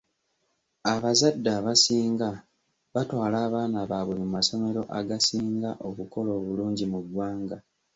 Abazadde abasinga batwala abaana baabwe mu masomero agasinga okukola obulungi mu ggwanga.